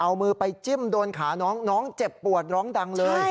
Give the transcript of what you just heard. เอามือไปจิ้มโดนขาน้องน้องเจ็บปวดร้องดังเลย